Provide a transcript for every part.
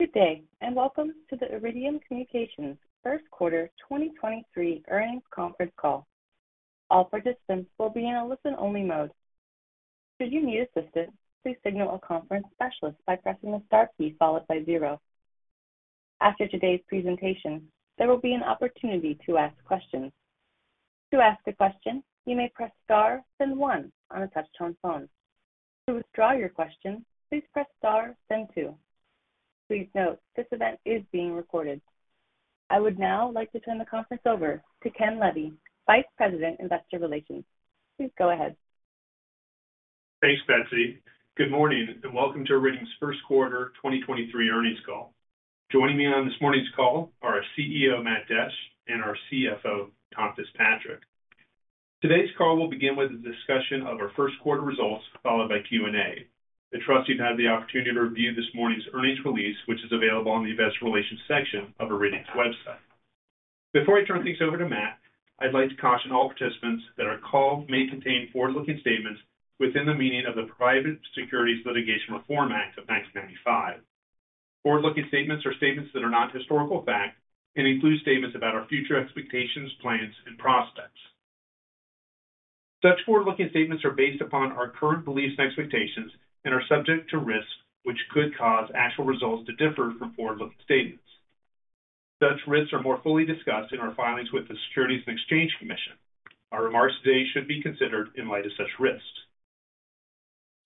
Good day, and welcome to the Iridium Communications first quarter 2023 earnings Conference Call. All participants will be in a listen-only mode. Should you need assistance, please signal a conference specialist by pressing the Star key followed by zero. After today's presentation, there will be an opportunity to ask questions. To ask a question, you may press Star then one on a touch-tone phone. To withdraw your question, please press Star then two. Please note, this event is being recorded. I would now like to turn the Conference over to Ken Levy, Vice President, Investor Relations. Please go ahead. Thanks, Betsy. Good morning, and welcome to Iridium's first quarter 2023 earnings call. Joining me on this morning's call are our CEO, Matt Desch, and our CFO, Tom Fitzpatrick. Today's call will begin with a discussion of our first quarter results, followed by Q&A. I trust you've had the opportunity to review this morning's earnings release, which is available on the investor relations section of Iridium's website. Before I turn things over to Matt, I'd like to caution all participants that our call may contain forward-looking statements within the meaning of the Private Securities Litigation Reform Act of 1995. Forward-looking statements are statements that are not historical fact and include statements about our future expectations, plans, and prospects. Such forward-looking statements are based upon our current beliefs and expectations and are subject to risks which could cause actual results to differ from forward-looking statements. Such risks are more fully discussed in our filings with the Securities and Exchange Commission. Our remarks today should be considered in light of such risks.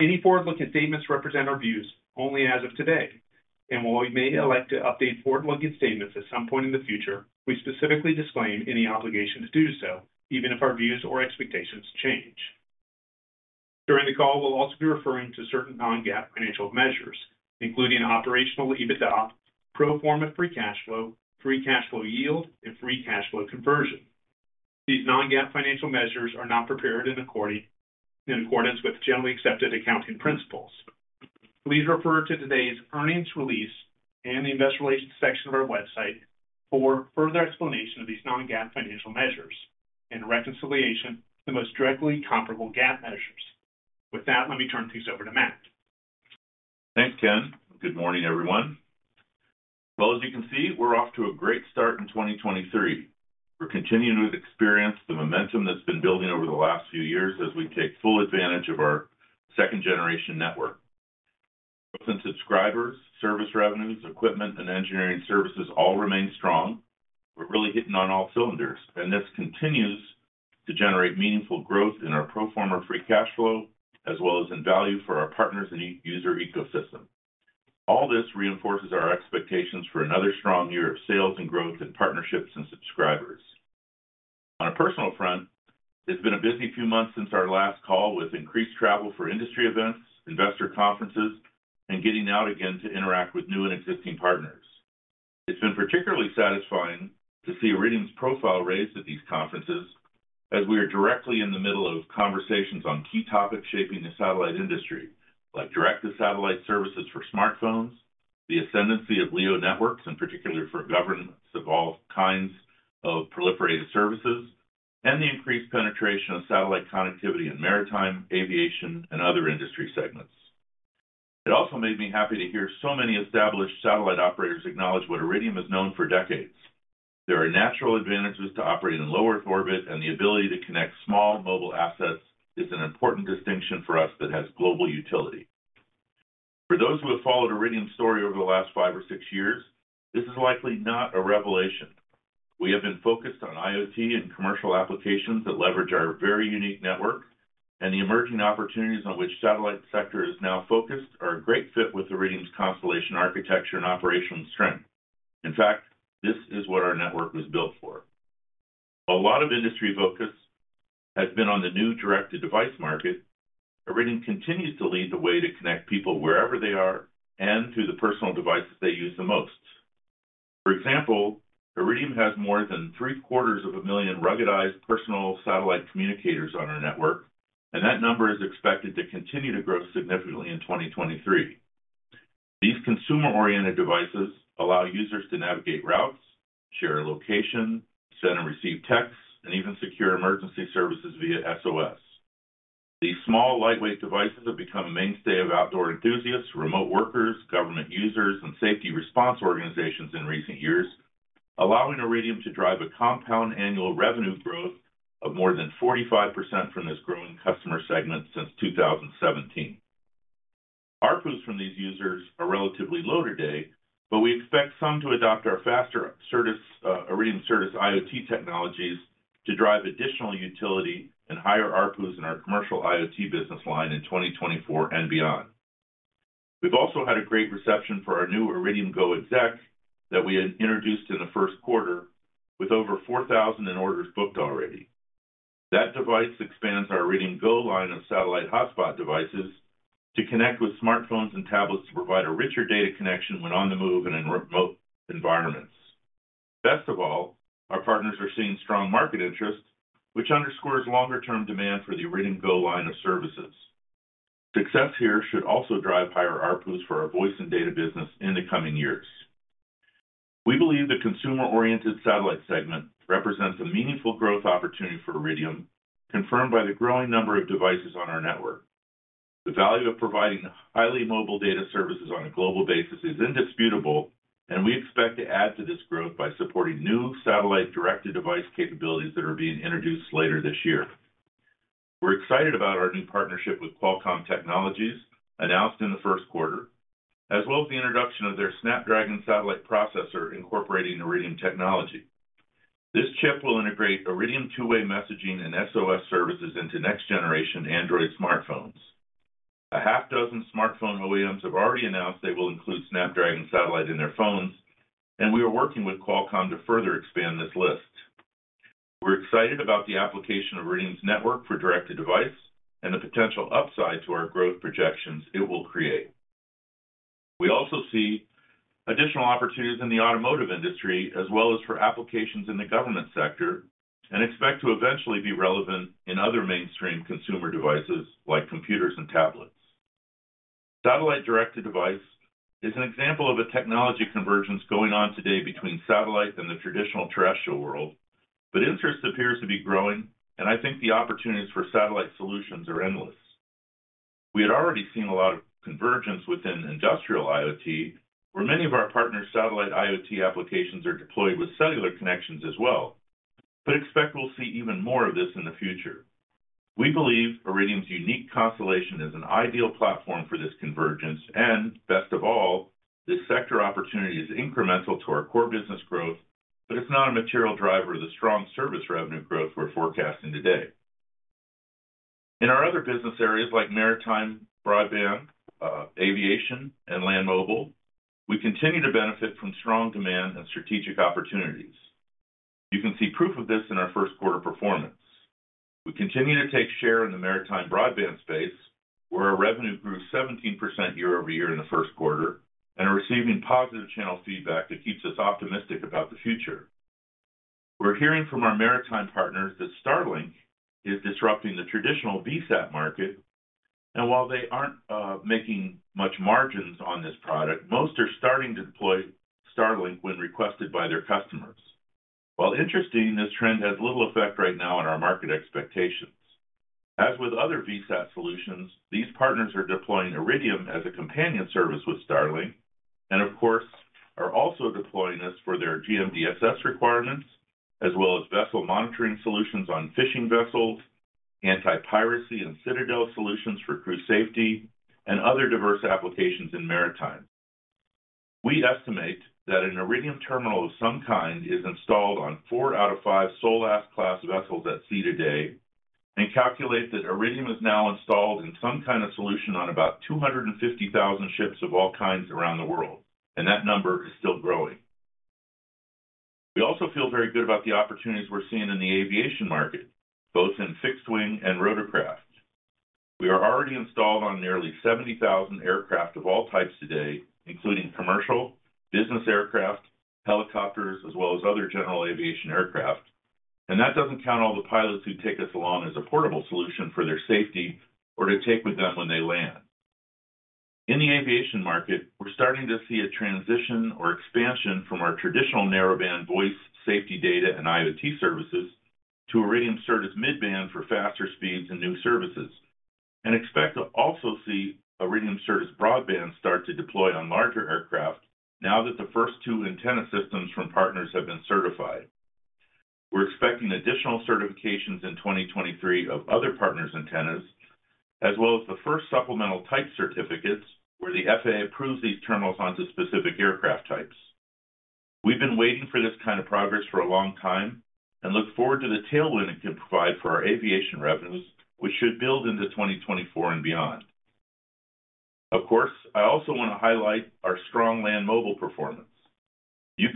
Any forward-looking statements represent our views only as of today, and while we may elect to update forward-looking statements at some point in the future, we specifically disclaim any obligation to do so, even if our views or expectations change. During the call, we'll also be referring to certain non-GAAP financial measures, including operational EBITDA, pro forma free cash flow, free cash flow yield, and free cash flow conversion. These non-GAAP financial measures are not prepared in accordance with generally accepted accounting principles. Please refer to today's earnings release and the investor relations section of our website for further explanation of these non-GAAP financial measures and reconciliation to the most directly comparable GAAP measures. With that, let me turn things over to Matt. Thanks, Ken. Good morning, everyone. As you can see, we're off to a great start in 2023. We're continuing to experience the momentum that's been building over the last few years as we take full advantage of our second-generation network. Subscribers, service revenues, equipment, and engineering services all remain strong. We're really hitting on all cylinders, and this continues to generate meaningful growth in our pro forma free cash flow, as well as in value for our partners and user ecosystem. All this reinforces our expectations for another strong year of sales and growth in partnerships and subscribers. On a personal front, it's been a busy few months since our last call with increased travel for industry events, investor conferences, and getting out again to interact with new and existing partners. It's been particularly satisfying to see Iridium's profile raised at these conferences as we are directly in the middle of conversations on key topics shaping the satellite industry, like direct-to-satellite services for smartphones, the ascendancy of LEO networks, in particular for governments of all kinds of proliferated services, and the increased penetration of satellite connectivity in maritime, aviation, and other industry segments. It also made me happy to hear so many established satellite operators acknowledge what Iridium has known for decades. There are natural advantages to operating in low-Earth orbit, and the ability to connect small mobile assets is an important distinction for us that has global utility. For those who have followed Iridium's story over the last five or six years, this is likely not a revelation. We have been focused on IoT and commercial applications that leverage our very unique network. The emerging opportunities on which satellite sector is now focused are a great fit with Iridium's constellation, architecture, and operational strength. In fact, this is what our network was built for. While a lot of industry focus has been on the new direct-to-device market, Iridium continues to lead the way to connect people wherever they are and to the personal devices they use the most. For example, Iridium has more than three-quarters of a million ruggedized personal satellite communicators on our network, and that number is expected to continue to grow significantly in 2023. These consumer-oriented devices allow users to navigate routes, share a location, send and receive texts, and even secure emergency services via SOS. These small, lightweight devices have become a mainstay of outdoor enthusiasts, remote workers, government users, and safety response organizations in recent years, allowing Iridium to drive a compound annual revenue growth of more than 45% from this growing customer segment since 2017. ARPU from these users are relatively low today, but we expect some to adopt our faster Iridium Certus IoT technologies to drive additional utility and higher ARPUs in our commercial IoT business line in 2024 and beyond. We've also had a great reception for our new Iridium GO! exec that we had introduced in the first quarter with over 4,000 in orders booked already. That device expands our Iridium GO! line of satellite hotspot devices to connect with smartphones and tablets to provide a richer data connection when on the move and in remote environments. Best of all, our partners are seeing strong market interest, which underscores longer-term demand for the Iridium GO line of services. Success here should also drive higher ARPUs for our voice and data business in the coming years. We believe the consumer-oriented satellite segment represents a meaningful growth opportunity for Iridium, confirmed by the growing number of devices on our network. The value of providing highly mobile data services on a global basis is indisputable. We expect to add to this growth by supporting new satellite-directed device capabilities that are being introduced later this year. We're excited about our new partnership with Qualcomm Technologies announced in the first quarter, as well as the introduction of their Snapdragon satellite processor incorporating Iridium technology. This chip will integrate Iridium two-way messaging and SOS services into next-generation Android smartphones. A half dozen smartphone OEMs have already announced they will include Snapdragon Satellite in their phones, and we are working with Qualcomm to further expand this list. We're excited about the application of Iridium's network for direct-to-device and the potential upside to our growth projections it will create. We also see additional opportunities in the automotive industry as well as for applications in the government sector, and expect to eventually be relevant in other mainstream consumer devices like computers and tablets. Satellite direct-to-device is an example of a technology convergence going on today between satellite and the traditional terrestrial world, but interest appears to be growing, and I think the opportunities for satellite solutions are endless. We had already seen a lot of convergence within industrial IoT, where many of our partners' satellite IoT applications are deployed with cellular connections as well, expect we'll see even more of this in the future. We believe Iridium's unique constellation is an ideal platform for this convergence, best of all, this sector opportunity is incremental to our core business growth, it's not a material driver of the strong service revenue growth we're forecasting today. In our other business areas like maritime, broadband, aviation, and land mobile, we continue to benefit from strong demand and strategic opportunities. You can see proof of this in our first quarter performance. We continue to take share in the maritime broadband space, where our revenue grew 17% year-over-year in the first quarter and are receiving positive channel feedback that keeps us optimistic about the future. We're hearing from our maritime partners that Starlink is disrupting the traditional VSAT market. While they aren't making much margins on this product, most are starting to deploy Starlink when requested by their customers. While interesting, this trend has little effect right now on our market expectations. As with other VSAT solutions, these partners are deploying Iridium as a companion service with Starlink, and of course, are also deploying this for their GMDSS requirements, as well as vessel monitoring solutions on fishing vessels, anti-piracy and citadel solutions for crew safety, and other diverse applications in maritime. We estimate that an Iridium terminal of some kind is installed on 4 out of 5 SOLAS class vessels at sea today and calculate that Iridium is now installed in some kind of solution on about 250,000 ships of all kinds around the world, and that number is still growing. We also feel very good about the opportunities we're seeing in the aviation market, both in fixed wing and rotorcraft. We are already installed on nearly 70,000 aircraft of all types today, including commercial, business aircraft, helicopters, as well as other general aviation aircraft. That doesn't count all the pilots who take us along as a portable solution for their safety or to take with them when they land. In the aviation market, we're starting to see a transition or expansion from our traditional narrowband voice safety data and IoT services to Iridium Certus midband for faster speeds and new services. We expect to also see Iridium Certus Broadband start to deploy on larger aircraft now that the first 2 antenna systems from partners have been certified. We're expecting additional certifications in 2023 of other partners' antennas, as well as the first Supplemental Type Certificates where the FAA approves these terminals onto specific aircraft types. We've been waiting for this kind of progress for a long time and look forward to the tailwind it can provide for our aviation revenues, which should build into 2024 and beyond. Of course, I also want to highlight our strong land mobile performance. The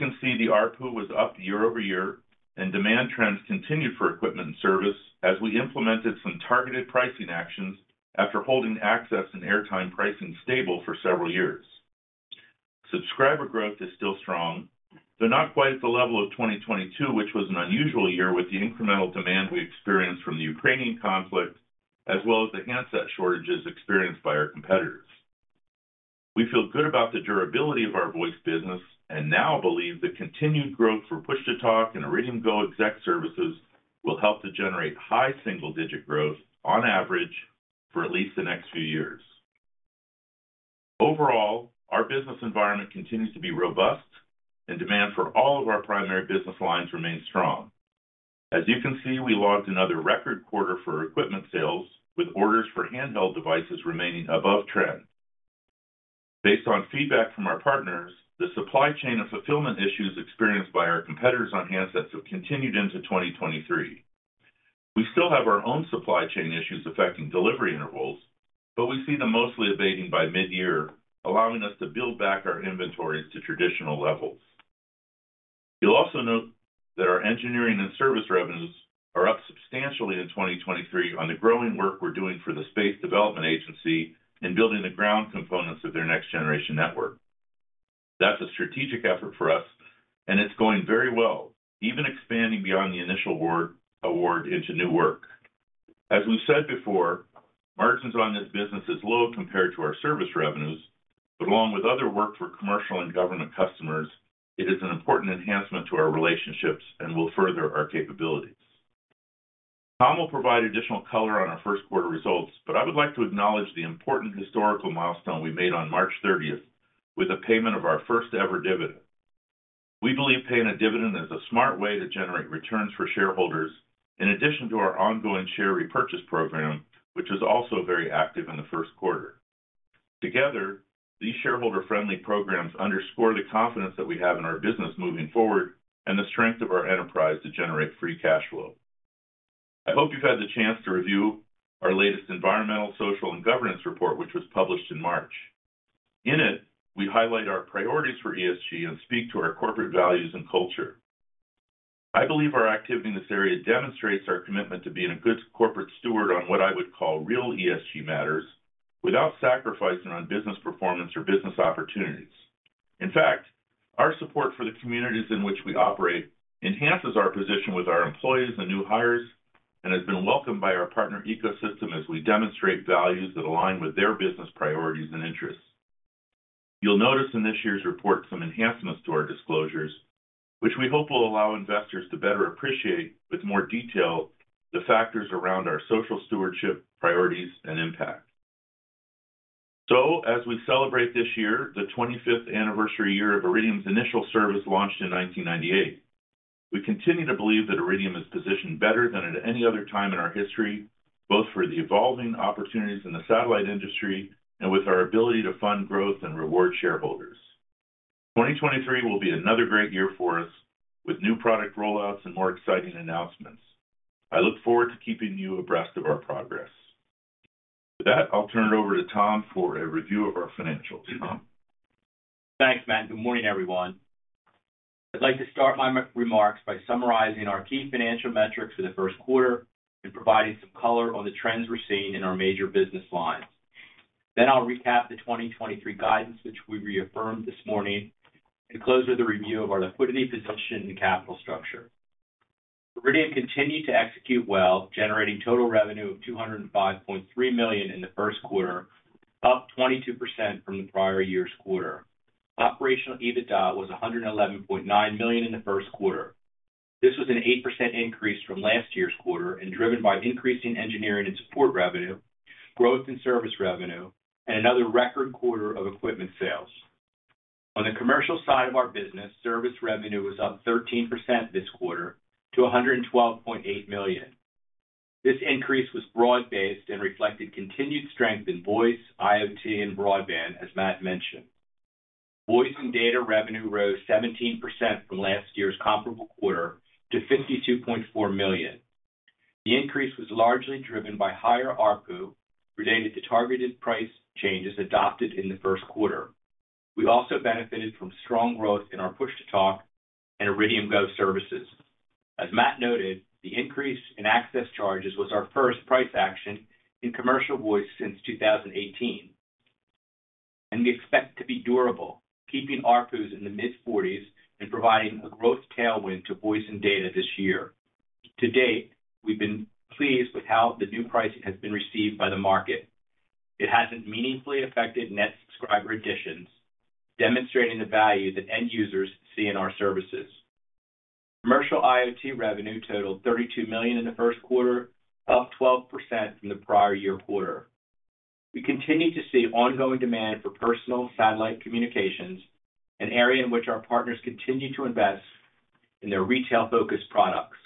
ARPU was up year-over-year and demand trends continued for equipment and service as we implemented some targeted pricing actions after holding access and airtime pricing stable for several years. Subscriber growth is still strong, though not quite at the level of 2022, which was an unusual year with the incremental demand we experienced from the Ukrainian conflict, as well as the handset shortages experienced by our competitors. We feel good about the durability of our voice business now believe the continued growth for Push-to-Talk and Iridium GO! exec services will help to generate high single-digit growth on average for at least the next few years. Overall, our business environment continues to be robust demand for all of our primary business lines remains strong. As you can see, we logged another record quarter for equipment sales, with orders for handheld devices remaining above trend. Based on feedback from our partners, the supply chain and fulfillment issues experienced by our competitors on handsets have continued into 2023. We still have our own supply chain issues affecting delivery intervals, but we see them mostly abating by mid-year, allowing us to build back our inventories to traditional levels. You'll also note that our engineering and service revenues are up substantially in 2023 on the growing work we're doing for the Space Development Agency in building the ground components of their next-generation network. That's a strategic effort for us, and it's going very well, even expanding beyond the initial award into new work. As we've said before, margins on this business is low compared to our service revenues, but along with other work for commercial and government customers, it is an important enhancement to our relationships and will further our capabilities. Tom will provide additional color on our first quarter results, but I would like to acknowledge the important historical milestone we made on March 30th with the payment of our first-ever dividend. We believe paying a dividend is a smart way to generate returns for shareholders in addition to our ongoing share repurchase program, which was also very active in the first quarter. Together, these shareholder-friendly programs underscore the confidence that we have in our business moving forward and the strength of our enterprise to generate free cash flow. I hope you've had the chance to review our latest environmental, social, and governance report, which was published in March. In it, we highlight our priorities for ESG and speak to our corporate values and culture. I believe our activity in this area demonstrates our commitment to being a good corporate steward on what I would call real ESG matters without sacrificing on business performance or business opportunities. In fact, our support for the communities in which we operate enhances our position with our employees and new hires, and has been welcomed by our partner ecosystem as we demonstrate values that align with their business priorities and interests. You'll notice in this year's report some enhancements to our disclosures, which we hope will allow investors to better appreciate with more detail the factors around our social stewardship, priorities, and impact. As we celebrate this year, the 25th anniversary year of Iridium's initial service launched in 1998, we continue to believe that Iridium is positioned better than at any other time in our history, both for the evolving opportunities in the satellite industry and with our ability to fund growth and reward shareholders. 2023 will be another great year for us with new product rollouts and more exciting announcements. I look forward to keeping you abreast of our progress. I'll turn it over to Tom for a review of our financials. Tom? Thanks, Matt. Good morning, everyone. I'd like to start my re-remarks by summarizing our key financial metrics for the first quarter and providing some color on the trends we're seeing in our major business lines. I'll recap the 2023 guidance, which we reaffirmed this morning and close with a review of our liquidity position and capital structure. Iridium continued to execute well, generating total revenue of $205.3 million in the first quarter, up 22% from the prior year's quarter. Operational EBITDA was $111.9 million in the first quarter. This was an 8% increase from last year's quarter and driven by increasing engineering and support revenue, growth in service revenue, and another record quarter of equipment sales. On the commercial side of our business, service revenue was up 13% this quarter to $112.8 million. This increase was broad-based and reflected continued strength in voice, IoT, and broadband, as Matt mentioned. Voice and data revenue rose 17% from last year's comparable quarter to $52.4 million. The increase was largely driven by higher ARPU related to targeted price changes adopted in the first quarter. We also benefited from strong growth in our Push-to-Talk and Iridium GO services. As Matt noted, the increase in access charges was our first price action in commercial voice since 2018. We expect to be durable, keeping ARPUs in the mid-40s and providing a growth tailwind to voice and data this year. To date, we've been pleased with how the new pricing has been received by the market. It hasn't meaningfully affected net subscriber additions, demonstrating the value that end users see in our services. Commercial IoT revenue totaled $32 million in the first quarter, up 12% from the prior-year quarter. We continue to see ongoing demand for personal satellite communications, an area in which our partners continue to invest in their retail-focused products.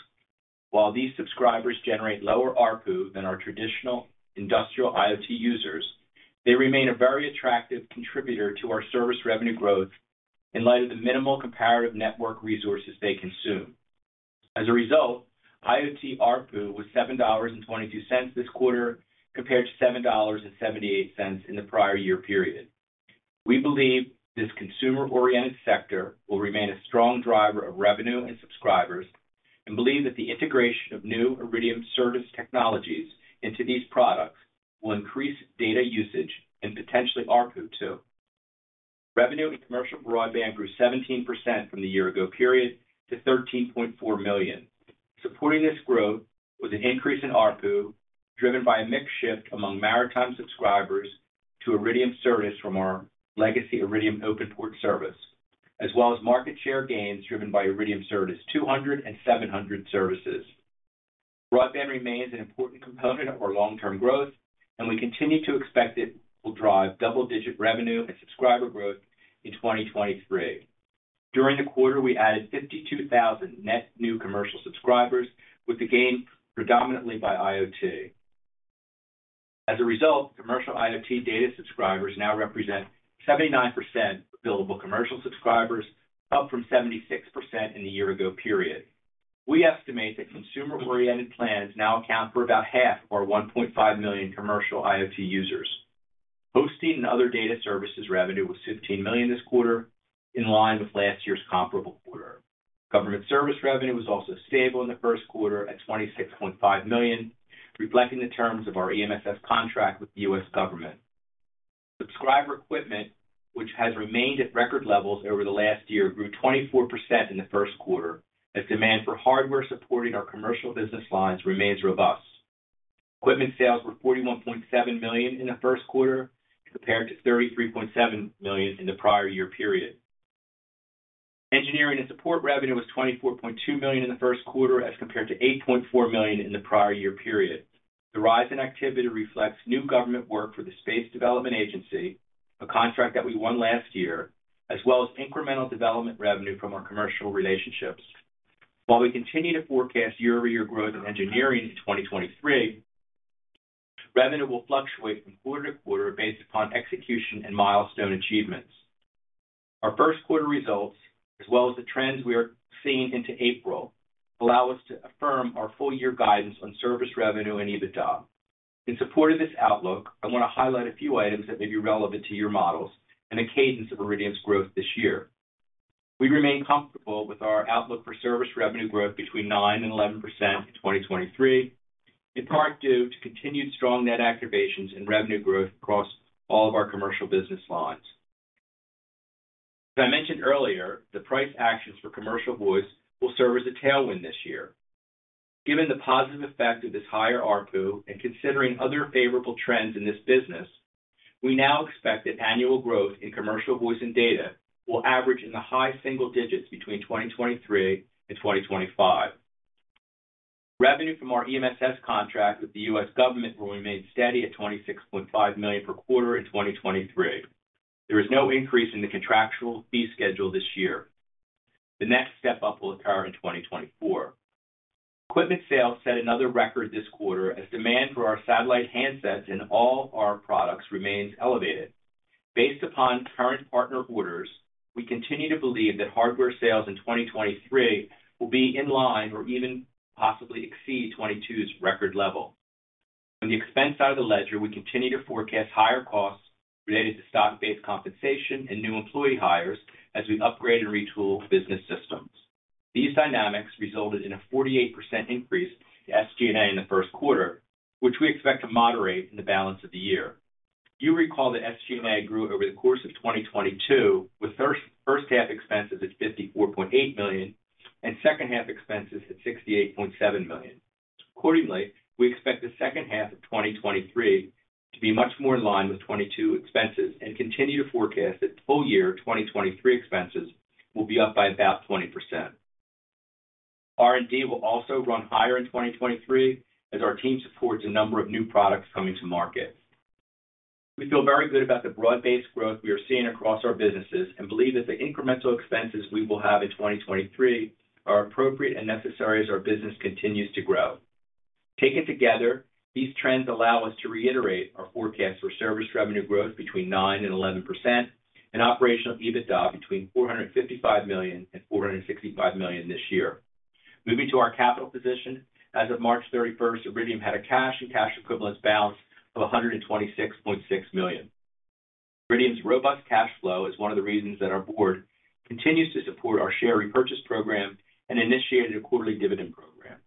While these subscribers generate lower ARPU than our traditional industrial IoT users, they remain a very attractive contributor to our service revenue growth in light of the minimal comparative network resources they consume. As a result, IoT ARPU was $7.22 this quarter, compared to $7.78 in the prior-year period. We believe this consumer-oriented sector will remain a strong driver of revenue and subscribers and believe that the integration of new Iridium Certus technologies into these products will increase data usage and potentially ARPU too. Revenue in commercial broadband grew 17% from the year-ago period to $13.4 million. Supporting this growth was an increase in ARPU, driven by a mix shift among maritime subscribers to Iridium Certus from our legacy Iridium OpenPort service, as well as market share gains driven by Iridium Certus 200 and 700 services. Broadband remains an important component of our long-term growth, we continue to expect it will drive double-digit revenue and subscriber growth in 2023. During the quarter, we added 52,000 net new commercial subscribers with the gain predominantly by IoT. Commercial IoT data subscribers now represent 79% of billable commercial subscribers, up from 76% in the year-ago period. We estimate that consumer-oriented plans now account for about half of our 1.5 million commercial IoT users. Hosting and other data services revenue was $15 million this quarter, in line with last year's comparable quarter. Government service revenue was also stable in the first quarter at $26.5 million, reflecting the terms of our EMSS contract with the U.S. government. Subscriber equipment, which has remained at record levels over the last year, grew 24% in the first quarter as demand for hardware supporting our commercial business lines remains robust. Equipment sales were $41.7 million in the first quarter compared to $33.7 million in the prior year period. Engineering and support revenue was $24.2 million in the first quarter as compared to $8.4 million in the prior year period. The rise in activity reflects new government work for the Space Development Agency, a contract that we won last year, as well as incremental development revenue from our commercial relationships. While we continue to forecast year-over-year growth in engineering in 2023, revenue will fluctuate from quarter to quarter based upon execution and milestone achievements. Our first quarter results, as well as the trends we are seeing into April, allow us to affirm our full year guidance on service revenue and EBITDA. In support of this outlook, I want to highlight a few items that may be relevant to your models and the cadence of Iridium's growth this year. We remain comfortable with our outlook for service revenue growth between 9% and 11% in 2023, in part due to continued strong net activations and revenue growth across all of our commercial business lines. As I mentioned earlier, the price actions for commercial voice will serve as a tailwind this year. Given the positive effect of this higher ARPU and considering other favorable trends in this business, we now expect that annual growth in commercial voice and data will average in the high single digits between 2023 and 2025. Revenue from our EMSS contract with the U.S. government will remain steady at $26.5 million per quarter in 2023. There is no increase in the contractual fee schedule this year. The next step-up will occur in 2024. Equipment sales set another record this quarter as demand for our satellite handsets in all our products remains elevated. Based upon current partner orders, we continue to believe that hardware sales in 2023 will be in line or even possibly exceed 2022's record level. On the expense side of the ledger, we continue to forecast higher costs related to stock-based compensation and new employee hires as we upgrade and retool business systems. These dynamics resulted in a 48% increase in SG&A in the first quarter, which we expect to moderate in the balance of the year. You recall that SG&A grew over the course of 2022, with first half expenses at $54.8 million and second half expenses at $68.7 million. Accordingly, we expect the second half of 2023 to be much more in line with 2022 expenses and continue to forecast that full year 2023 expenses will be up by about 20%. R&D will also run higher in 2023 as our team supports a number of new products coming to market. We feel very good about the broad-based growth we are seeing across our businesses and believe that the incremental expenses we will have in 2023 are appropriate and necessary as our business continues to grow. Taken together, these trends allow us to reiterate our forecast for service revenue growth between 9% and 11% and Operational EBITDA between $455 million and $465 million this year. Moving to our capital position. As of March 31st, Iridium had a cash and cash equivalents balance of $126.6 million. Iridium's robust cash flow is one of the reasons that our board continues to support our share repurchase program and initiated a quarterly dividend program.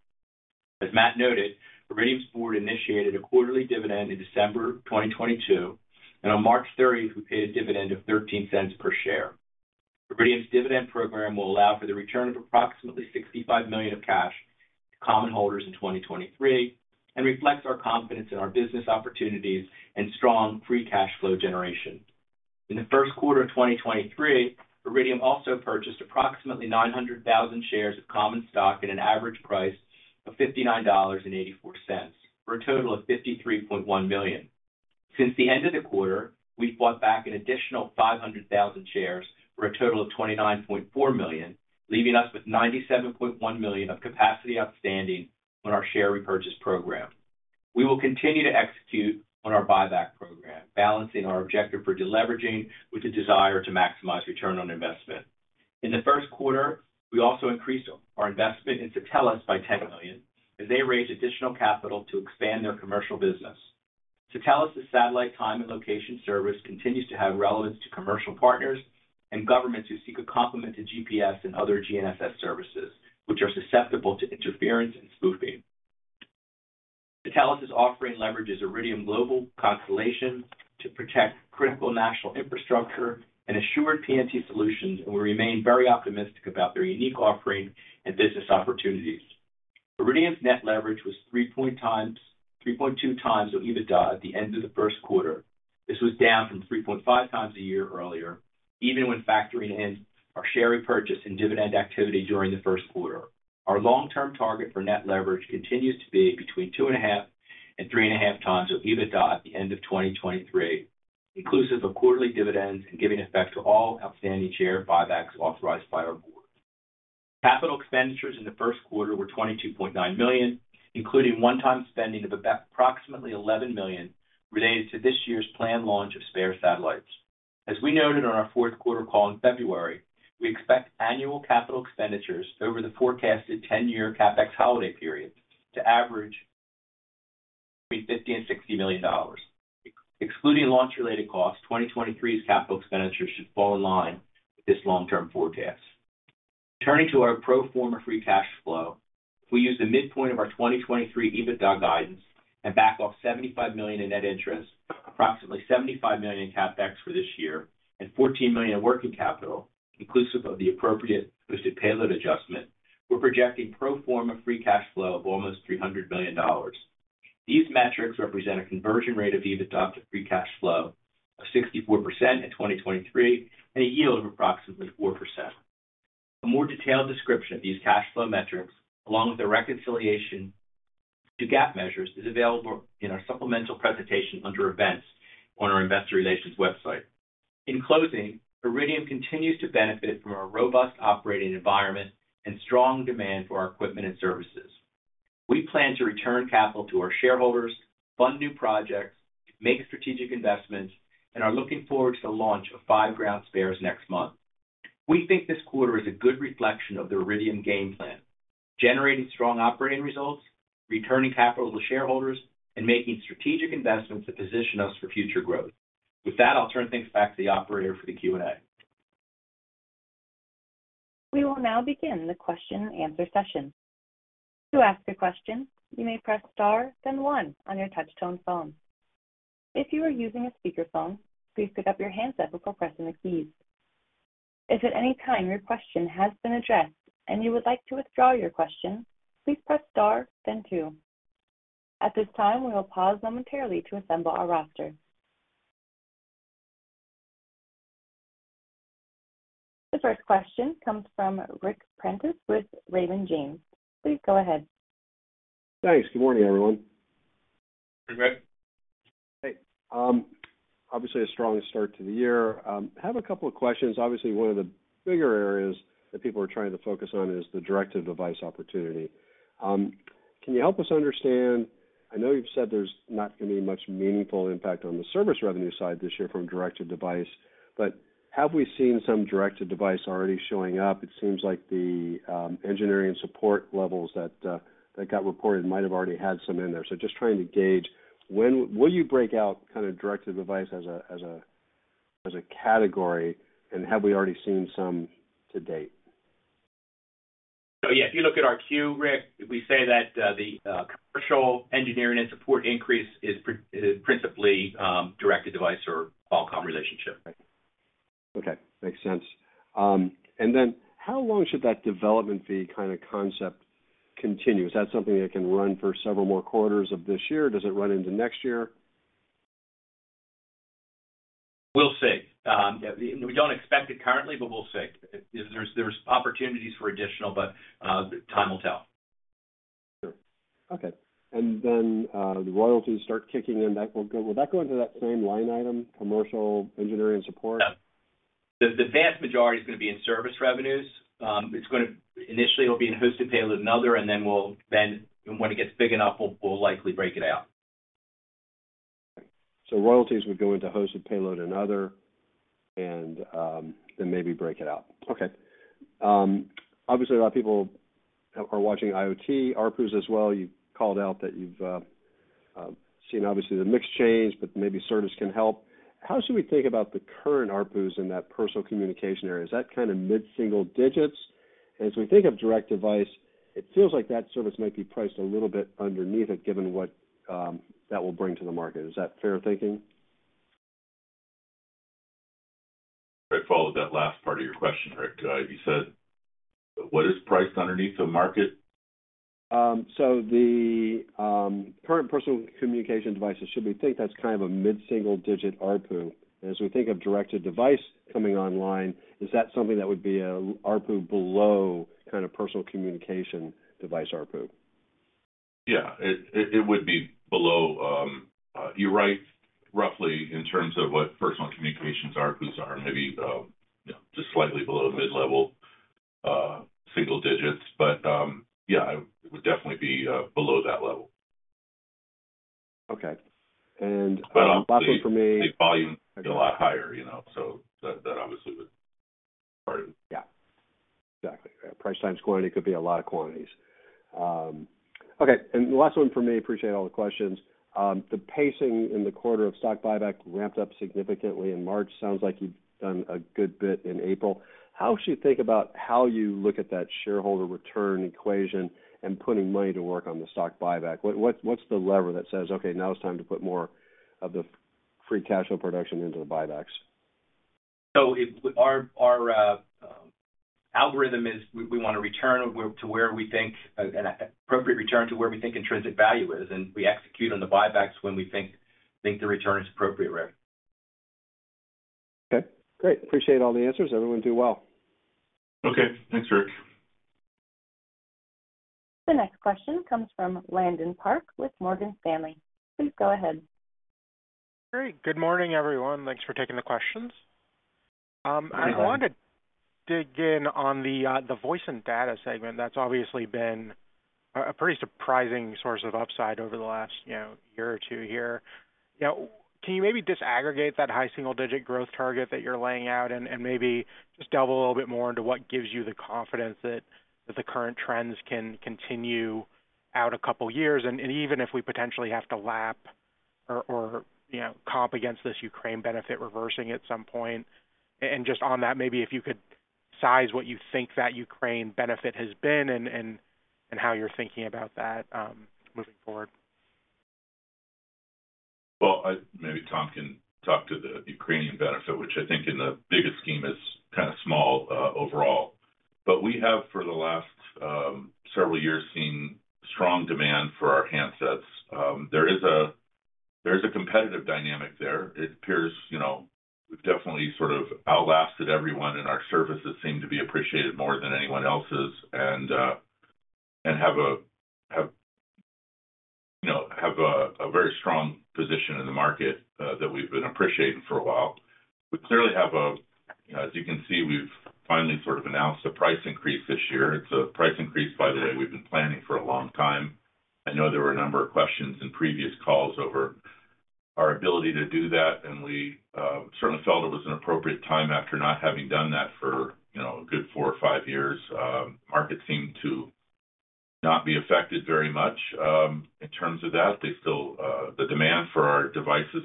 As Matt noted, Iridium's board initiated a quarterly dividend in December 2022, and on March 30, we paid a dividend of $0.13 per share. Iridium's dividend program will allow for the return of approximately $65 million of cash to common holders in 2023 and reflects our confidence in our business opportunities and strong free cash flow generation. In the first quarter of 2023, Iridium also purchased approximately 900,000 shares of common stock at an average price of $59.84, for a total of $53.1 million. Since the end of the quarter, we've bought back an additional 500,000 shares for a total of $29.4 million, leaving us with $97.1 million of capacity outstanding on our share repurchase program. We will continue to execute on our buyback program, balancing our objective for deleveraging with the desire to maximize return on investment. In the first quarter, we also increased our investment in Satelles by $10 million as they raised additional capital to expand their commercial business. Satelles' satellite time and location service continues to have relevance to commercial partners and governments who seek a complement to GPS and other GNSS services, which are susceptible to interference and spoofing. Satelles' offering leverages Iridium satellite constellation to protect critical national infrastructure and assured PNT solutions, and we remain very optimistic about their unique offering and business opportunities. Iridium's net leverage was 3.2 times of EBITDA at the end of the first quarter. This was down from 3.5 times a year earlier, even when factoring in our share repurchase and dividend activity during the first quarter. Our long-term target for net leverage continues to be between 2.5 and 3.5 times of EBITDA at the end of 2023, inclusive of quarterly dividends and giving effect to all outstanding share buybacks authorized by our board. Capital expenditures in the first quarter were $22.9 million, including one-time spending of approximately $11 million related to this year's planned launch of spare satellites. As we noted on our fourth quarter call in February, we expect annual capital expenditures over the forecasted 10-year CapEx holiday period to average between $50 million and $60 million. Excluding launch-related costs, 2023's capital expenditures should fall in line with this long-term forecast. Turning to our pro forma free cash flow. We use the midpoint of our 2023 EBITDA guidance and back off $75 million in net interest, approximately $75 million CapEx for this year and $14 million in working capital, inclusive of the appropriate hosted payload adjustment. We're projecting pro forma free cash flow of almost $300 million. These metrics represent a conversion rate of EBITDA to free cash flow of 64% in 2023 and a yield of approximately 4%. A more detailed description of these cash flow metrics, along with the reconciliation to GAAP measures, is available in our supplemental presentation under Events on our investor relations website. In closing, Iridium continues to benefit from our robust operating environment and strong demand for our equipment and services. We plan to return capital to our shareholders, fund new projects, make strategic investments, and are looking forward to the launch of five ground spares next month. We think this quarter is a good reflection of the Iridium game plan, generating strong operating results, returning capital to shareholders, and making strategic investments that position us for future growth. With that, I'll turn things back to the operator for the Q&A. We will now begin the Q&A session. To ask a question, you may press star, then 1 on your touch-tone phone. If you are using a speakerphone, please pick up your handset before pressing the keys. If at any time your question has been addressed and you would like to withdraw your question, please press star then 2. At this time, we will pause momentarily to assemble our roster. The first question comes from Ric Prentiss with Raymond James. Please go ahead. Thanks. Good morning, everyone. Hey, Ric. Hey. Obviously a strong start to the year. Have a couple of questions. Obviously, one of the bigger areas that people are trying to focus on is the direct-to-device opportunity. Can you help us understand? I know you've said there's not gonna be much meaningful impact on the service revenue side this year from direct-to-device, but have we seen some direct-to-device already showing up? It seems like the engineering and support levels that got reported might have already had some in there. Just trying to gauge, when will you break out kind of direct-to-device as a category, and have we already seen some to date? Yeah, if you look at our Q, Ric, we say that, the commercial engineering and support increase is principally, directed device or Qualcomm relationship. Okay. Makes sense. How long should that development fee kind of concept continue? Is that something that can run for several more quarters of this year? Does it run into next year? We'll see. We don't expect it currently, but we'll see. There's opportunities for additional, but time will tell. Sure. Okay. The royalties start kicking in. Will that go into that same line item, commercial engineering and support? Yeah. The vast majority is gonna be in service revenues. Initially, it'll be in hosted payload and other, and then when it gets big enough, we'll likely break it out. Royalties would go into hosted payload and other, then maybe break it out. Okay. Obviously, a lot of people are watching IoT ARPU as well. You've called out that you've seen obviously the mix change, but maybe service can help. How should we think about the current ARPUs in that personal communication area? Is that kind of mid-single digits? As we think of direct-to-device, it feels like that service might be priced a little bit underneath it, given what that will bring to the market. Is that fair thinking? If I follow that last part of your question, Ric, you said what is priced underneath the market? The current personal communication devices, should we think that's kind of a mid-single-digit ARPU? As we think of directed device coming online, is that something that would be a ARPU below kind of personal communication device ARPU? Yeah. It would be below, you're right roughly in terms of what personal communications ARPUs are, maybe, just slightly below mid-level, single digits. Yeah, it would definitely be below that level. Okay. But obviously- Last one for me. The volume can be a lot higher, you know, so that obviously would be part of it. Yeah. Exactly. Price times quantity could be a lot of quantities. The last one for me, appreciate all the questions. The pacing in the quarter of stock buyback ramped up significantly in March. Sounds like you've done a good bit in April. How should we think about how you look at that shareholder return equation and putting money to work on the stock buyback? What's the lever that says, "Okay, now it's time to put more of the free cash flow production into the buybacks"? Our algorithm is we wanna return to where we think an appropriate return to where we think intrinsic value is, and we execute on the buybacks when we think the return is appropriate, Ric. Okay, great. Appreciate all the answers. Everyone do well. Okay. Thanks, Ric. The next question comes from Landon Park with Morgan Stanley. Please go ahead. Great. Good morning, everyone. Thanks for taking the questions. I wanted to dig in on the voice and data segment. That's obviously been a pretty surprising source of upside over the last, you know, year or two here. You know, can you maybe disaggregate that high single-digit growth target that you're laying out and maybe just delve a little bit more into what gives you the confidence that the current trends can continue out a couple of years, and even if we potentially have to lap or, you know, comp against this Ukraine benefit reversing at some point? Just on that, maybe if you could size what you think that Ukraine benefit has been and how you're thinking about that moving forward? Well, maybe Tom can talk to the Ukrainian benefit, which I think in the biggest scheme is kind of small overall. We have, for the last several years, seen strong demand for our handsets. There is a competitive dynamic there. It appears, you know, we've definitely sort of outlasted everyone, and our services seem to be appreciated more than anyone else's and have a, you know, a very strong position in the market that we've been appreciating for a while. You know, as you can see, we've finally sort of announced a price increase this year. It's a price increase, by the way, we've been planning for a long time. I know there were a number of questions in previous calls over our ability to do that, and we certainly felt it was an appropriate time after not having done that for, you know, a good 4 or 5 years. Market seemed to not be affected very much in terms of that. They still the demand for our devices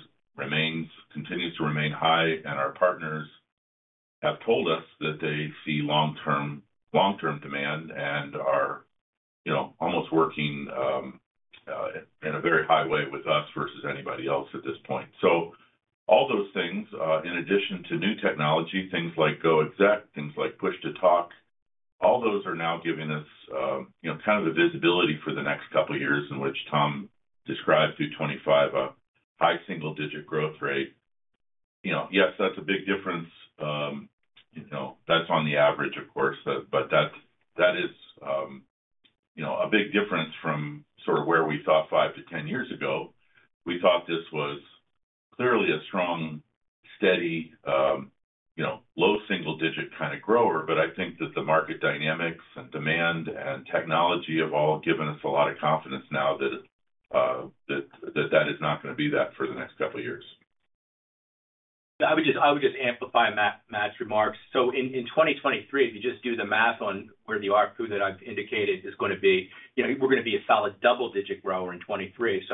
continues to remain high, and our partners have told us that they see long-term demand and are, you know, almost working in a very high way with us versus anybody else at this point. All those things in addition to new technology, things like Iridium GO! exec, things like Push-to-Talk, all those are now giving us, you know, kind of the visibility for the next couple of years in which Tom described through 2025 a high single-digit growth rate. You know, yes, that's a big difference. You know, that's on the average, of course. That is, you know, a big difference from sort of where we thought 5 to 10 years ago. We thought this was clearly a strong, steady, you know, low single-digit kind of grower. I think that the market dynamics and demand and technology have all given us a lot of confidence now that that that is not gonna be that for the next couple of years. I would just amplify Matt's remarks. In 2023, if you just do the math on where the ARPU that I've indicated is gonna be, you know, we're gonna be a solid double-digit grower in 2023.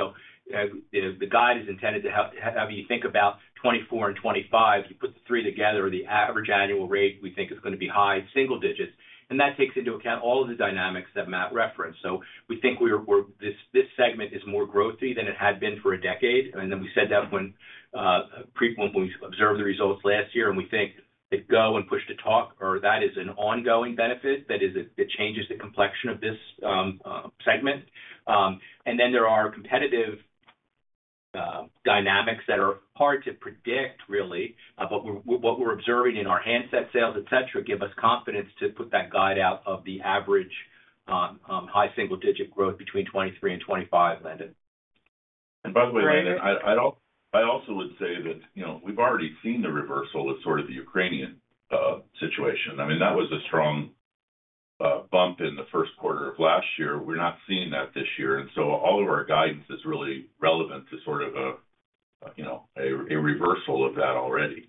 You know, the guide is intended to have you think about 2024 and 2025. You put the 3 together, the average annual rate we think is gonna be high single digits. That takes into account all of the dynamics that Matt referenced. We think we're this segment is more growthy than it had been for a decade. Then we said that when we observed the results last year, and we think that GO! and Push-to-Talk or that is an ongoing benefit that changes the complexion of this segment. There are competitive dynamics that are hard to predict really. What we're observing in our handset sales, et cetera, give us confidence to put that guide out of the average high single digit growth between 2023 and 2025, Landon. By the way, Landon, I also would say that, you know, we've already seen the reversal of sort of the Ukrainian situation. I mean, that was a strong bump in the first quarter of last year. We're not seeing that this year, and so all of our guidance is really relevant to sort of a, you know, a reversal of that already.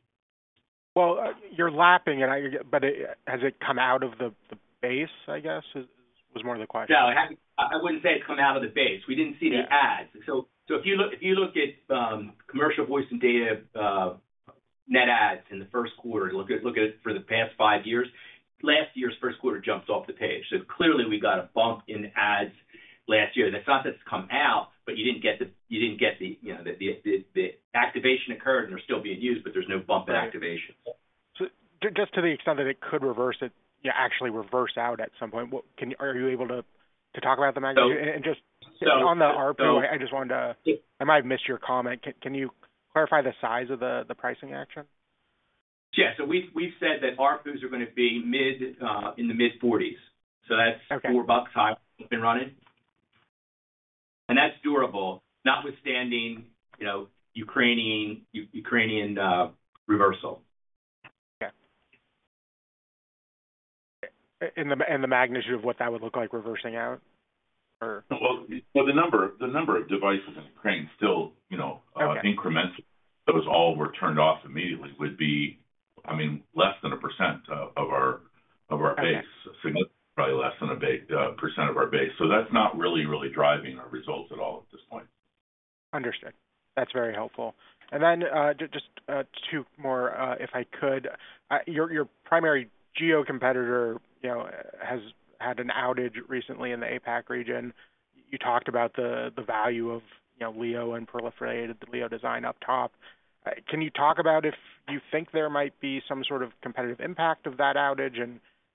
Well, you're lapping it, but has it come out of the base, I guess is, was more the question? No, it hasn't. I wouldn't say it's come out of the base. We didn't see the adds. If you look at commercial voice and data net adds in the first quarter, look at it for the past five years, last year's first quarter jumps off the page. Clearly we got a bump in adds last year. That's not come out, but you didn't get the, you know, the activation occurred and they're still being used, but there's no bump in activation. Just to the extent that it could reverse it, yeah, actually reverse out at some point, are you able to talk about the magnitude? No. Just on the ARPU, I just wanted to. I might have missed your comment. Can you clarify the size of the pricing action? Yeah. We've said that ARPUs are going to be in the mid-$40s. Okay. That's $4 high than running. That's durable, notwithstanding, you know, Ukrainian reversal. Okay. The magnitude of what that would look like reversing out or... Well, the number of devices in Ukraine still, you know, incrementally, those all were turned off immediately, would be, I mean, less than 1% of our base. Okay. Significantly, probably less than a percent of our base. That's not really driving our results at all at this point. Understood. That's very helpful. Then, just two more, if I could. Your primary geo competitor, you know, has had an outage recently in the APAC region. You talked about the value of, you know, LEO and proliferated the LEO design up top. Can you talk about if you think there might be some sort of competitive impact of that outage?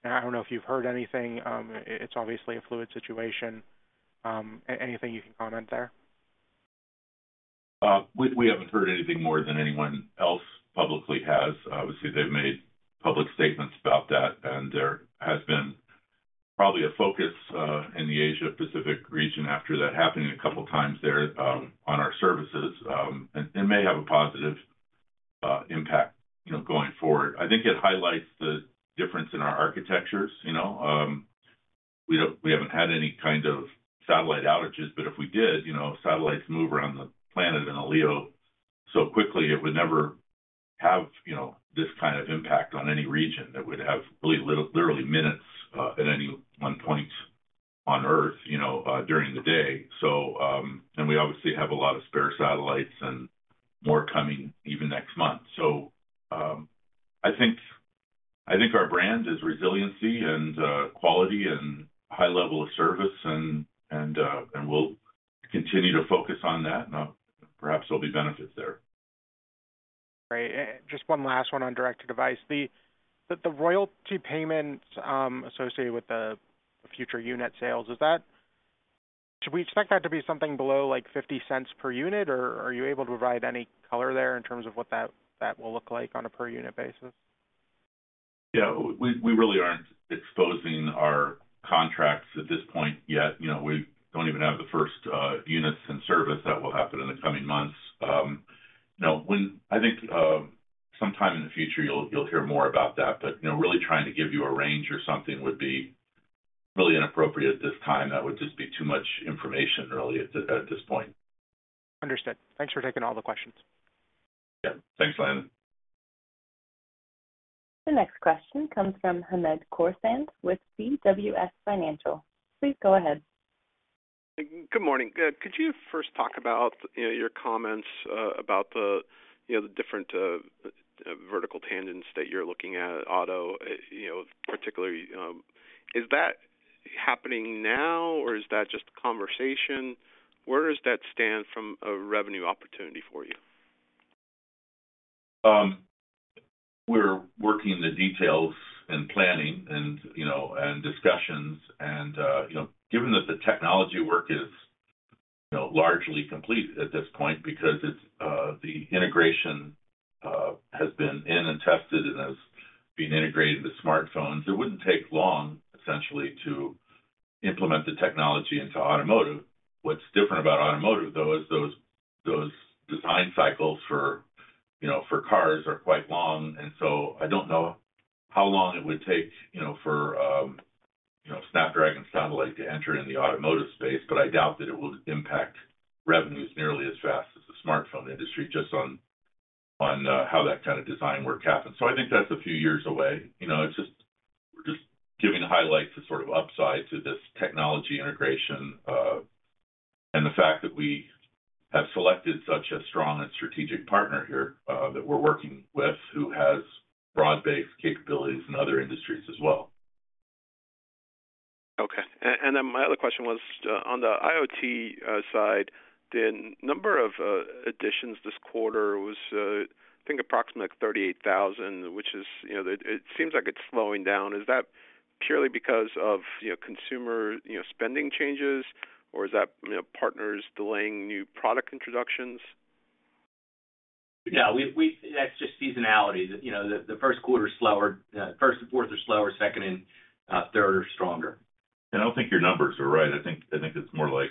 I don't know if you've heard anything. It's obviously a fluid situation. Anything you can comment there? We haven't heard anything more than anyone else publicly has. Obviously, they've made public statements about that. There has been probably a focus in the Asia Pacific region after that happening a couple of times there on our services. It may have a positive impact, you know, going forward. I think it highlights the difference in our architectures. You know, we haven't had any kind of satellite outages, but if we did, you know, satellites move around the planet in a LEO so quickly it would never have, you know, this kind of impact on any region that would have really literally minutes at any one point on Earth, you know, during the day. We obviously have a lot of spare satellites and more coming even next month. I think our brand is resiliency and quality and high level of service and we'll continue to focus on that and perhaps there'll be benefits there. Great. Just one last one on direct-to-device. The royalty payments associated with the future unit sales, is that? Do we expect that to be something below, like, $0.50 per unit, or are you able to provide any color there in terms of what that will look like on a per unit basis? Yeah. We really aren't exposing our contracts at this point yet. You know, we don't even have the first units in service. That will happen in the coming months. You know, I think sometime in the future, you'll hear more about that. You know, really trying to give you a range or something would be really inappropriate at this time. That would just be too much information, really, at this point. Understood. Thanks for taking all the questions. Yeah. Thanks, Landon. The next question comes from Hamed Khorsand with BWS Financial. Please go ahead. Good morning. Could you first talk about, you know, your comments about the, you know, the different vertical tangents that you're looking at, auto, you know, particularly, is that happening now or is that just conversation? Where does that stand from a revenue opportunity for you? We're working the details and planning and, you know, and discussions and, you know, given that the technology work is, you know, largely complete at this point because it's, the integration has been in and tested and has been integrated into smartphones, it wouldn't take long, essentially, to implement the technology into automotive. What's different about automotive, though, is those design cycles for, you know, for cars are quite long. I don't know how long it would take, you know, for, you know, Snapdragon Satellite to enter in the automotive space, but I doubt that it will impact revenues nearly as fast as the smartphone industry, just on how that kind of design work happens. I think that's a few years away. You know, we're just giving a highlight to sort of upside to this technology integration, and the fact that we have selected such a strong and strategic partner here, that we're working with, who has broad-based capabilities in other industries as well. Okay. My other question was on the IoT side, the number of additions this quarter was I think approximately like 38,000, which is, you know, it seems like it's slowing down. Is that purely because of, you know, consumer, you know, spending changes, or is that, you know, partners delaying new product introductions? No, we. That's just seasonality. You know, the first quarter's slower. First and fourth are slower, second and third are stronger. I don't think your numbers are right. I think, I think it's more like,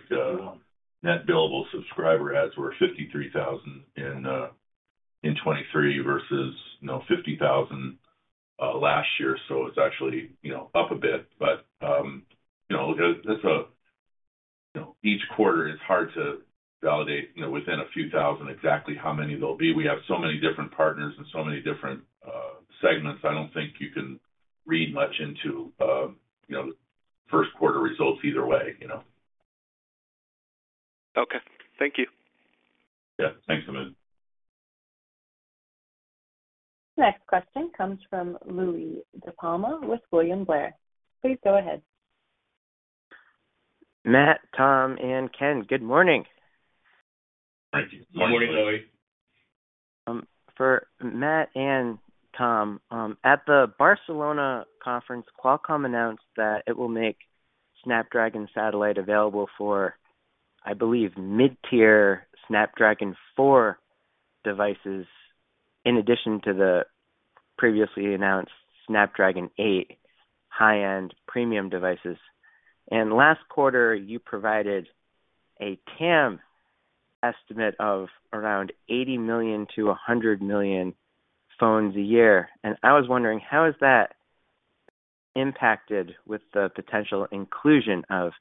net billable subscriber adds were 53,000 in 2023 versus, you know, 50,000 last year. It's actually, you know, up a bit. You know, each quarter it's hard to validate, you know, within a few thousand exactly how many there'll be. We have so many different partners and so many different segments. I don't think you can read much into, you know, first quarter results either way, you know. Okay. Thank you. Yeah. Thanks, Hamed. Next question comes from Louie DiPalma with William Blair. Please go ahead. Matt, Tom, and Ken, good morning. Thank you. Good morning. Morning, Louie. For Matt and Tom, at the Barcelona Conference, Qualcomm announced that it will make Snapdragon Satellite available for, I believe, mid-tier Snapdragon 4 devices in addition to the previously announced Snapdragon 8 high-end premium devices. Last quarter, you provided a TAM estimate of around 80 million-100 million phones a year. I was wondering, how is that impacted with the potential inclusion of